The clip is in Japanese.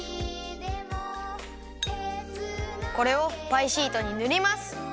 これをパイシートにぬります。